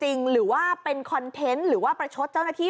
คลิปแป้งจริงหรือว่าเป็นคอนเทนต์หรือว่าประชดเจ้าหน้าที่